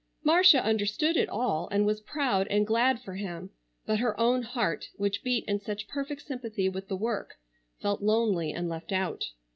Marcia understood it all, and was proud and glad for him, but her own heart which beat in such perfect sympathy with the work felt lonely and left out.